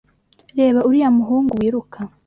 Reba uriya muhungu wiruka.